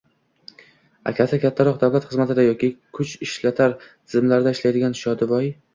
Akasi kattaroq davlat xizmatida yoki kuchishlatar tizimlarda ishlaydigan Shodivoy